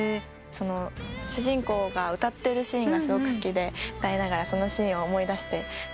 主人公が歌ってるシーンがすごく好きで歌いながらそのシーンを思い出して歌ってました。